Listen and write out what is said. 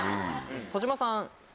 児嶋さん。